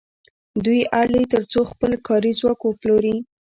دوی اړ دي تر څو خپل کاري ځواک وپلوري